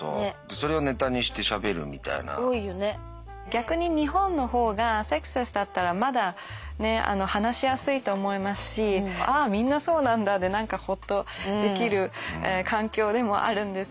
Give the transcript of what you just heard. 逆に日本の方がセックスレスだったらまだね話しやすいと思いますし「ああみんなそうなんだ」で何かほっとできる環境でもあるんです。